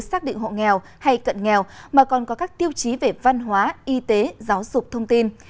xác định hộ nghèo hay cận nghèo mà còn có các tiêu chí về văn hóa y tế giáo dục thông tin